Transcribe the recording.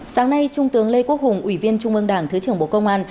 sáng nay trung tướng lê quốc hùng ủy viên trung ương đảng thứ trưởng bộ công an